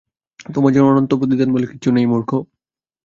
তোদের জন্য অনন্ত প্রতিদান বলে কিচ্ছু নেই, মূর্খ!